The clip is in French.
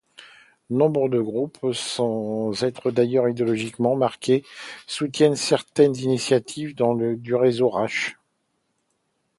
Nombre de groupes, sans être d'ailleurs idéologiquement marqués, soutiennent certaines initiatives du réseau Rash.